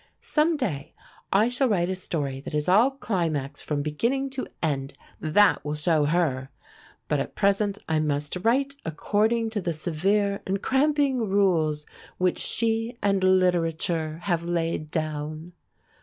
Some day I shall write a story that is all climax from beginning to end. That will show her! But at present I must write according to the severe and cramping rules which she and literature have laid down.